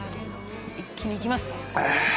一気にいきます」あーっ。